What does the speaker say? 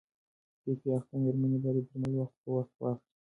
پي پي پي اخته مېرمنې باید درمل وخت پر وخت واخلي.